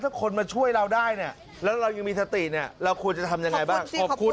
ถ้าคนมาช่วยเราได้เนี่ยแล้วเรายังมีสติเนี่ยเราควรจะทำยังไงบ้างขอบคุณ